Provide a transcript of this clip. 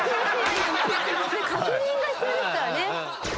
確認が必要ですからね。